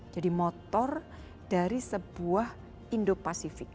jadi motor dari sebuah indo pasifik